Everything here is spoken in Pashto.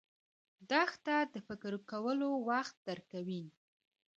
دښته د فکر کولو وخت درکوي.